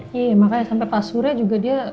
iya makanya sampai pas surya juga dia